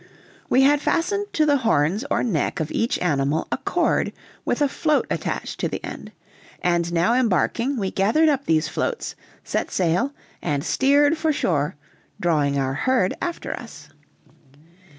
We had fastened to the horns or neck of each animal a cord with a float attached to the end, and now embarking, we gathered up these floats, set sail, and steered for shore, drawing our herd after us.